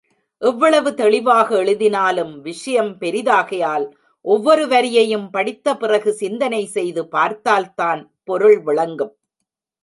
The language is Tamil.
எவ்வளவு தெளிவாக எழுதினாலும், விஷயம் பெரிதாகையால், ஒவ்வொரு வரியையும் படித்த பிறகு சிந்தனை செய்து பார்த்தால்தான் பொருள் விளங்கும்.